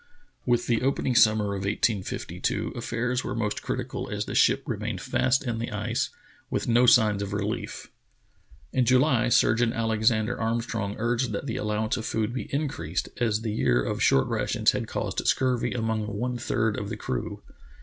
With the opening summer of 1852 affairs were most critical, as the ship remained fast in the ice, with no signs The Journey of Bedford Pim 8i of relief. In July Surgeon Alexander Armstrong urged that the allowance of food be increased, as the year of short rations had caused scurvy among one third of the crew.